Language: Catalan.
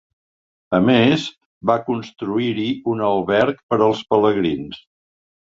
A més, va construir-hi un alberg per als pelegrins.